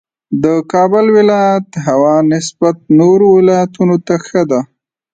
د کابل ولایت هوا نسبت نورو ولایتونو ته ښه ده